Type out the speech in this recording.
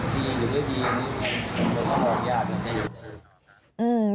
หรือว่าจะดีหรือไม่ดี